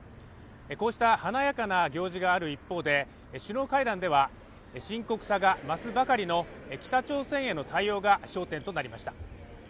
こうした華やかな行事がある一方で首脳会談では、深刻さが増すばかりの北朝鮮への対応が焦点となりました。